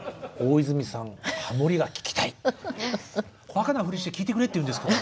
バカなフリして聞いてくれって言うんですよ。